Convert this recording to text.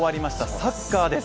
サッカーです